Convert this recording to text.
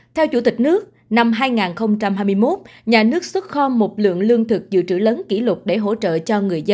theo chủ tịch nước năm hai nghìn hai mươi một nhà nước xuất kho một lượng lương thực dự trữ lớn kỷ lục